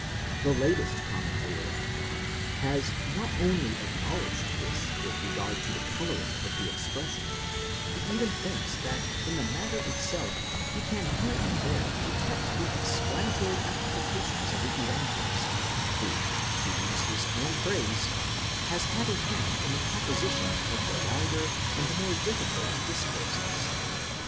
The latest commentator on John has not only acknowledged this with regard to the colouring of the expression; he even thinks that in the matter itself he can here and there detect the explanatory amplifications of the Evangelist, who, to use his own phrase, has had a hand in the composition of the longer and more difficult discourses.